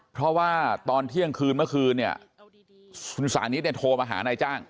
เพราะว่าตอนเที่ยงคืนเมื่อคืนคุณสารนี้โทรมาหานายจ้าง